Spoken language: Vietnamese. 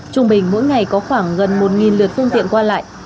trung bình mỗi ngày có khoảng gần một lượt phương tiện qua lại